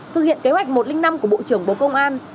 thực hiện kế hoạch một trăm linh năm của bộ trưởng bộ công an